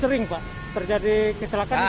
sering pak terjadi kecelakaan di sini